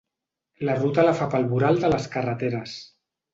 La ruta la fa pel voral de les carreteres.